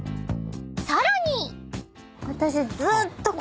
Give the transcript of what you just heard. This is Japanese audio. ［さらに］私。